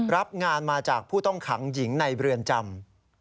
รับงานมาจากผู้ต้องขังหญิงในเรือนจำ